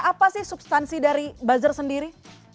apa sih substansi dari buzzer sendiri